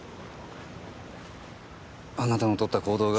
あなたのとった行動が。